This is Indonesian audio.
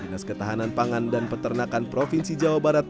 dinas ketahanan pangan dan peternakan provinsi jawa barat